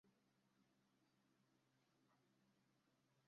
katika delta ya Niger ambayo ni kati ya delta kubwa zaidi duniani Mji